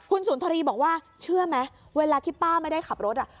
คุณสุนทรีย์บอกว่าเชื่อไหมเวลาที่ป้าไม่ได้ขับรถ